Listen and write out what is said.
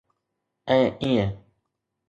۽ ايئن.